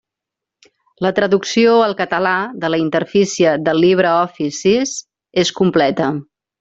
La traducció al català de la interfície del LibreOffice sis és completa.